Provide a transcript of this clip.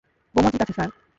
গোমতীর কাছে, স্যার।